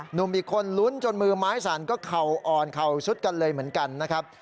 หนุ่มอีกคนลุ้นจนมือไม้สั่นก็เข่าอ่อนเข่าสุดกันเลยเหมือนกันนะครับ